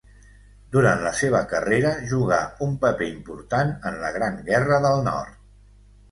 Durant la seva carrera, jugà un paper important en la Gran Guerra del Nord.